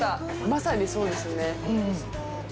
まさにそうですね。